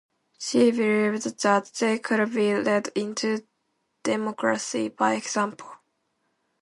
She believed that they could be led into democracy by example.